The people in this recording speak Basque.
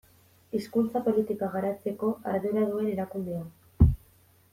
Hizkuntza politika garatzeko ardura duen erakundea.